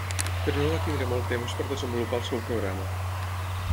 Però no va tenir molt temps per desenvolupar el seu programa.